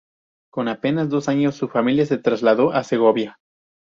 Con apenas dos años, su familia se trasladó a Segovia.